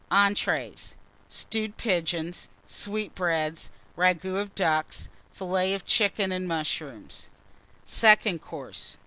ENTREES. Stewed Pigeons. Sweetbreads. Ragoût of Ducks. Fillets of Chickens and Mushrooms. SECOND COURSE.